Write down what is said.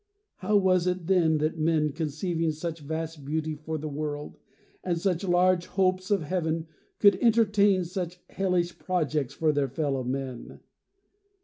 How was it then that men, Conceiving such vast beauty for the world, And such large hopes of heaven, could entertain Such hellish projects for their fellow men?